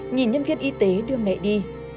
nhìn nhân viên y tế đưa mẹ đi